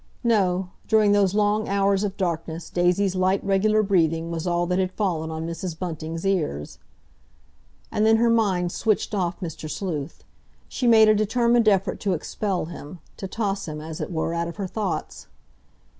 No, during those long hours of darkness Daisy's light, regular breathing was all that had fallen on Mrs. Bunting's ears. And then her mind switched off Mr. Sleuth. She made a determined effort to expel him, to toss him, as it were, out of her thoughts.